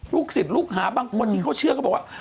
ลูกศิลป์ลูกหาบางคนก็เชื่อ